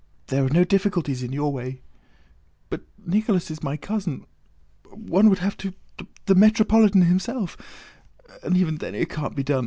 there are no difficulties in your way.... But Nicholas is my cousin... one would have to... the Metropolitan himself... and even then it can't be done.